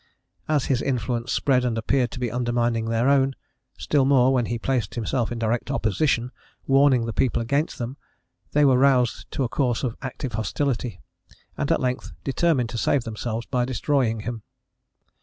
As his influence spread and appeared to be undermining their own, still more, when he placed himself in direct opposition, warning the people against them, they were roused to a course of active hostility, and at length determined to save themselves by destroying him.